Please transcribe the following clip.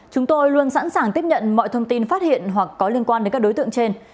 chúng tôi luôn sẵn sàng tiếp nhận mọi thông tin phát hiện hoặc có liên quan đến các đối tượng trên